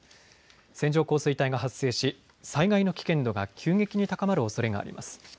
線状降水帯が発生し災害の危険度が急激に高まるおそれがあります。